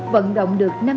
vận động được năm tuần